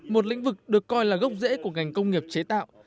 một lĩnh vực được coi là gốc rễ của ngành công nghiệp chế tạo